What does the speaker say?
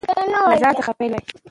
له ځان څخه پیل وکړئ.